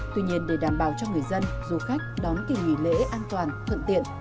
tuy nhiên để đảm bảo cho người dân du khách đón kỳ nghỉ lễ an toàn thuận tiện